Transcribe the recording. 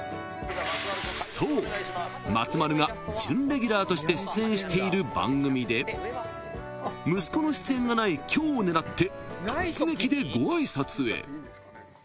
［そう松丸が準レギュラーとして出演している番組で息子の出演がない今日を狙って突撃でご挨拶へ］